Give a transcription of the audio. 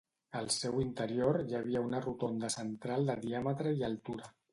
Al seu interior hi havia una rotonda central de diàmetre i altura.